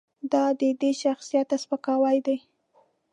دا د ده شخصیت ته سپکاوی دی.